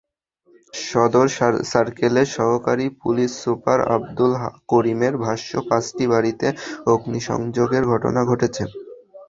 সদর সার্কেলের সহকারী পুলিশ সুপার আবদুল করিমের ভাষ্য, পাঁচটি বাড়িতে অগ্নিসংযোগের ঘটনা ঘটেছে।